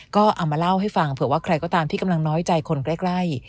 ก็เอามาเล่าให้ฟังเผื่อว่าใครก็ตามที่กำลังน้อยใจคนใกล้